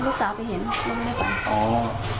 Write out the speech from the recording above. พ่อลูกสาวไปเห็นลองไปดูกัน